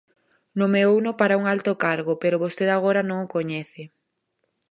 Nomeouno para un alto cargo, pero vostede agora non o coñece.